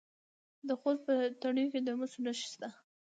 د خوست په تڼیو کې د مسو نښې شته.